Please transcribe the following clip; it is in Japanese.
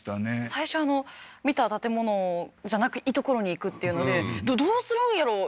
最初見た建物じゃない所に行くっていうのでどうするんやろう？